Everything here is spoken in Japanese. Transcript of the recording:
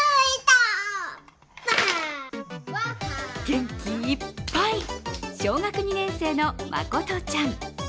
元気いっぱい、小学２年生のまことちゃん。